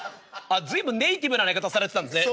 随分ネイティブな寝方されてたんですね。